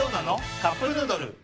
「カップヌードル」